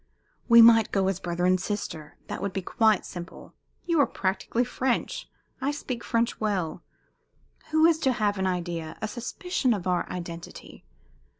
"We might go as brother and sister that would be quite simple. You are practically French. I speak French well. Who is to have an idea, a suspicion of our identity?